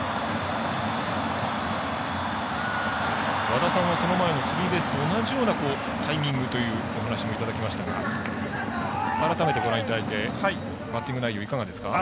和田さんはその前のスリーベースと同じようなタイミングというお話もいただきましたが改めてご覧いただいてバッティング内容いかがですか。